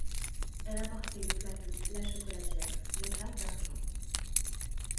Elle apportait le plateau, la chocolatière, les tasses d'argent.